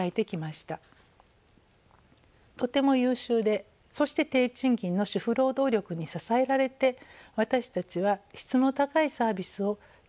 とても優秀でそして低賃金の主婦労働力に支えられて私たちは質の高いサービスを安く消費してきてきました。